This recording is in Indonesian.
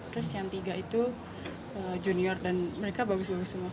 terus yang tiga itu junior dan mereka bagus bagus semua